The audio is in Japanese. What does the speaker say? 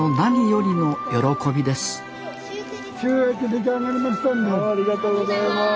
ありがとうございます。